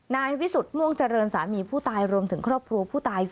นายวิสุทธิ์ม่วงเจริญสามีผู้ตายรวมถึงครอบครัวผู้ตาย